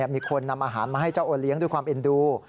มีคนนำอาหารมาให้เจ้าโอเลี้ยงด้วยความเอ็นดู